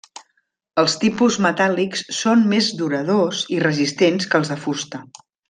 Els tipus metàl·lics són més duradors i resistents que els de fusta.